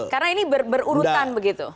karena ini berurutan begitu